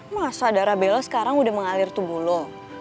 masa darah bella sekarang udah mengalir tubuh lo